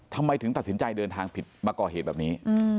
ทำไมถึงตัดสินใจเดินทางผิดมาก่อเหตุแบบนี้